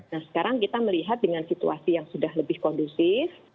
nah sekarang kita melihat dengan situasi yang sudah lebih kondusif